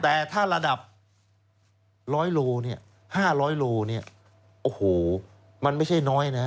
แต่ถ้าระดับร้อยโล๕๐๐โลโอ้โฮมันไม่ใช่น้อยนะ